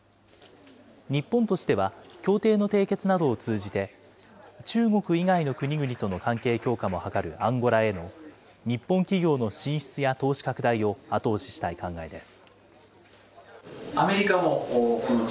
日本としては、協定の締結などを通じて、中国以外の国々との関係強化も図るアンゴラへの日本企業の進出や投資拡大を後押ししたい考えです。